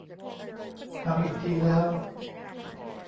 ฟังอีกทีแล้ว